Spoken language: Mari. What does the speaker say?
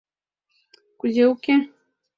Кузе уке?